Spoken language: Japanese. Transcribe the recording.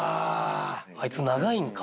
あいつ長いんか。